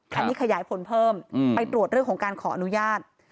อันนี้ขยายผลเพิ่มไปตรวจเรื่องของการขออนุญาต